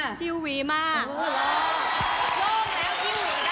โล่งแล้วฮิ่วหวีได้